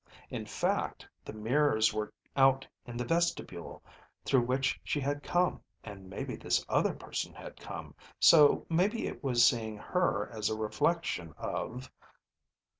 In fact the mirrors were out in the vestibule through which she had come and maybe this other person had come, so maybe it was seeing her as a reflection of